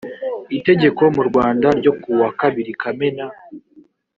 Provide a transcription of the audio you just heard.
itegeko mu rwanda ryo kuwa kabiri kamena